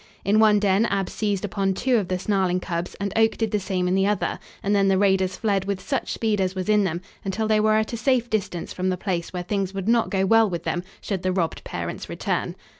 In one den Ab seized upon two of the snarling cubs and Oak did the same in the other, and then the raiders fled with such speed as was in them, until they were at a safe distance from the place where things would not go well with them should the robbed parents return.